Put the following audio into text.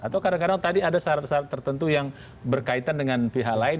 atau kadang kadang tadi ada syarat syarat tertentu yang berkaitan dengan pihak lain